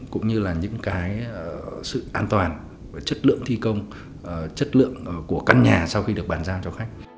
cũng như là những cái sự an toàn về chất lượng thi công chất lượng của căn nhà sau khi được bàn giao cho khách